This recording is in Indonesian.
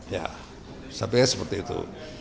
ya sampai seperti itu